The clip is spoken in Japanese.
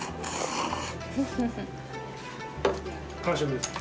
完食ですね。